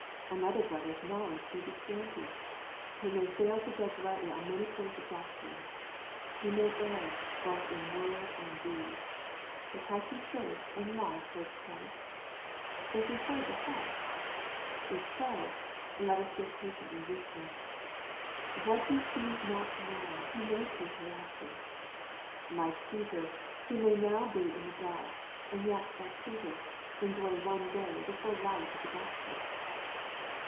— Another brother's knowledge may be scanty. He may fail to judge rightly on many points of doctrine. He may err both in word and deed. But has he faith and love towards Christ ? Does he hold the Head ? If so, let us deal patiently with him. What he sees not now, he may see hereafter. Like Peter, he may now be in the dark, and yet, like Peter, enjoy one day the fuU light of the Gospel.